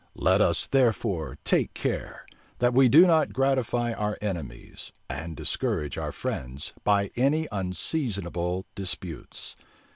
Let us therefore take care, that we do not gratify our enemies, and discourage our friends, by any unseasonable disputes.